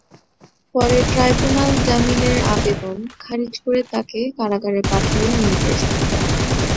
পরে ট্রাইব্যুনাল জামিনের আবেদন খারিজ করে তাঁকে কারাগারে পাঠানোর নির্দেশ দেন।